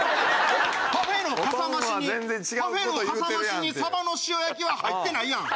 パフェのかさ増しにパフェのかさ増しにサバの塩焼きは入ってないやん。